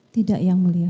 tidak yang mulia